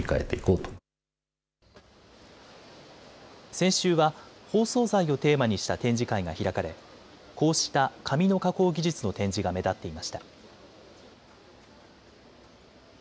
先週は包装材をテーマにした展示会が開かれ、こうした紙の加工技術の展示が目立っていました。